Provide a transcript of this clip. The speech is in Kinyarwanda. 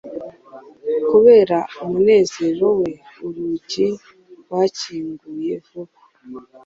Kubera umunezero we Urugi rwakinguye vuba